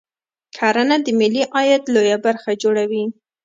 کرنه د ملي عاید لویه برخه جوړوي